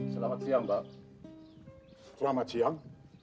selamat siang mbak selamat siang